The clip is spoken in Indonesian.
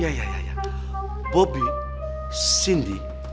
apakah ada composers